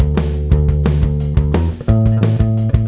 orang ini gak asik nih